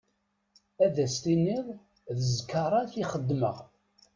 Ad s-tiniḍ d ẓẓkarat i xeddmeɣ.